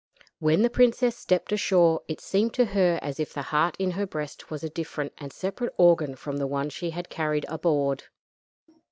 When the princess stepped ashore it seemed to her as if the heart in her breast was a different and separate organ from the one she had carried aboard.